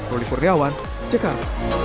roli purniawan cekar